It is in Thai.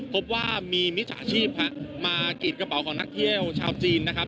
พบว่ามีมิจฉาชีพมากรีดกระเป๋าของนักเที่ยวชาวจีนนะครับ